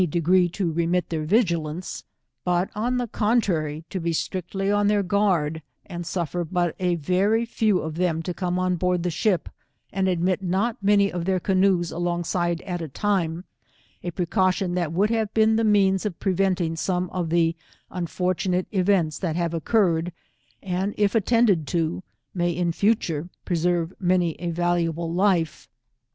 degree to remit their vigilance, but on the contrary, to be strictly on their gaard, and suffer but a very few of ihem to come on board the ship, and aditit sot many of their canoes along side at a time; a precaution that would have been the means of pre venting some of the unfortunate events that have occurred, and if attended to, may in future, pre serve many a valuable life.